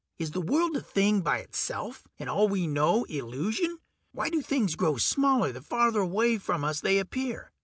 Is the world a thing by itself, and all we know illusion? Why do things grow smaller the farther away from us they appear?